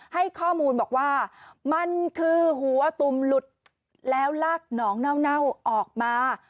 ให้ข้อมูลบอกว่ามันคือหัวตุ่มหลุดแล้วลากหนองเน่าออกมา